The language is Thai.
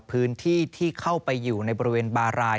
พื้นที่ที่เข้าไปอยู่ในบริเวณบาราย